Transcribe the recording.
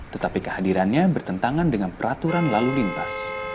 tetapi kehadirannya bertentangan dengan peraturan lalu lintas